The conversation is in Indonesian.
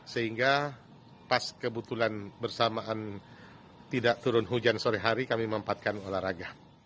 sehingga pas kebetulan bersamaan tidak turun hujan sore hari kami mempatkan olahraga